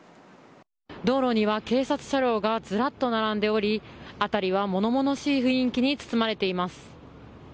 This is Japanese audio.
道路には警察車両がずらっと並んでおり辺りは物々しい雰囲気に包まれています。